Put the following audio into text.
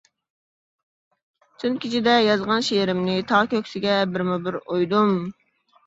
تۈن كېچىدە يازغان شېئىرىمنى، تاغ كۆكسىگە بىرمۇبىر ئويدۇم.